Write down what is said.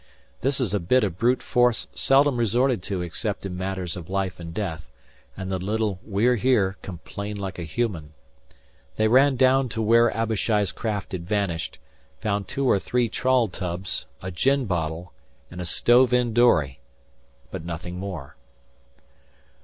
This is a bit of brute force seldom resorted to except in matters of life and death, and the little We're Here complained like a human. They ran down to where Abishai's craft had vanished; found two or three trawl tubs, a gin bottle, and a stove in dory, but nothing more.